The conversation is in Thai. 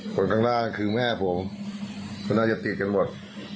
คนข้างล่างคือแม่ผมก็น่าจะติดกันหมด